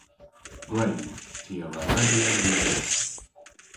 Gwredh. Ty a wra redya lyver.